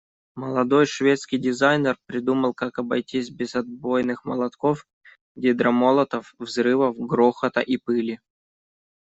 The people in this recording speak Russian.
Молодой шведский дизайнер придумал, как обойтись без отбойных молотков, гидромолотов, взрывов, грохота и пыли.